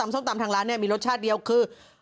ส้มตำร้านเนี่ยมีรสชาติคือ